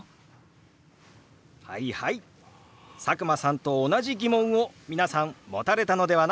佐久間さんと同じ疑問を皆さん持たれたのではないでしょうか。